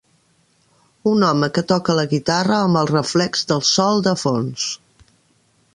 Un home que toca la guitarra amb el reflex del sol de fons